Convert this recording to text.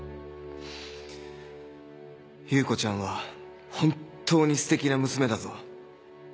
優子ちゃんは本当にステキな娘だぞ。